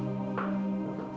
tentang apa yang terjadi